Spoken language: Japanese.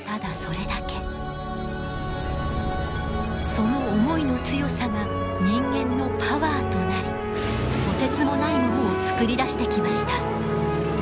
その思いの強さが人間のパワーとなりとてつもないものを作り出してきました。